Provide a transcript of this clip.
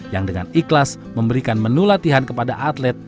yang dengan ikhlas memberikan menu latihan kepada atlet